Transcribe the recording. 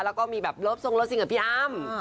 แล้วก็มีแบบเลิฟทรงเลิฟซีนกับพี่อ้ำ